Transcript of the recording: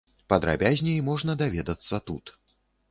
Падрабязней можна даведацца тут.